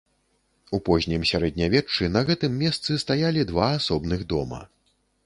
У познім сярэднявеччы на гэтым месцы стаялі два асобных дома.